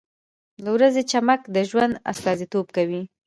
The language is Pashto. • د ورځې چمک د ژوند استازیتوب کوي.